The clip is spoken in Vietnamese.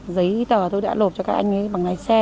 giấy tờ tôi đã nộp cho các anh ấy bằng lái xe